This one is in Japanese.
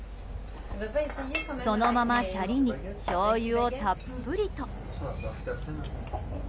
そのまま、シャリにしょうゆをたっぷりと。